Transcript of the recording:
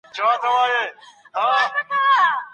مېرمني ته د اطمینان ورکولو کوښښ ولي اړين دی؟